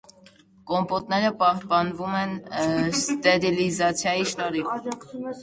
Կոմպոտները պահպանվում են ստերիլիզացիայի շնորհիվ։